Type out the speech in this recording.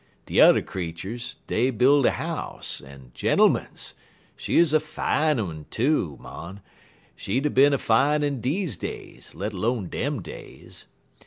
De yuther creeturs, dey buil' de house, en, gentermens! she 'uz a fine un, too, mon. She'd 'a' bin a fine un deze days, let 'lone dem days.